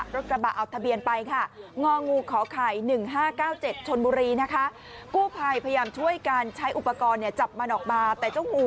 รถกระบะเอาทะเบียนไปค่ะงองูขอไข่๑๕๙๗ชนบุรีนะคะกู้ภัยพยายามช่วยกันใช้อุปกรณ์เนี่ยจับมันออกมาแต่เจ้างู